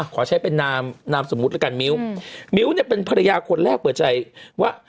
ขอใช้เป็นนามนามสมมุติแล้วกันมิ้วมิ้วเนี่ยเป็นภรรยาคนแรกเปิดใจว่า